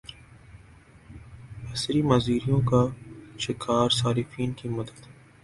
بصری معذوریوں کا شکار صارفین کی مدد